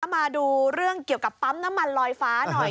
มาดูเรื่องเกี่ยวกับปั๊มน้ำมันลอยฟ้าหน่อย